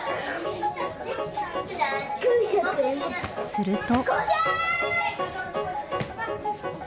すると。